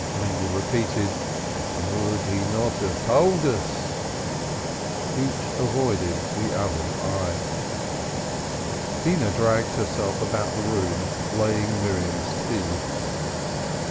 Mendel repeated: "Would he not have told us?" Each avoided the others eye. Beenah dragged herself about the room, laying Miriam's tea.